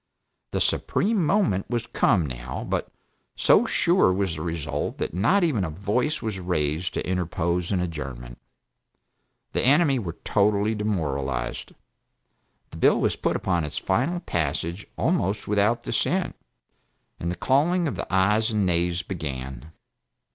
The supreme moment was come, now, but so sure was the result that not even a voice was raised to interpose an adjournment. The enemy were totally demoralized. The bill was put upon its final passage almost without dissent, and the calling of the ayes and nays began.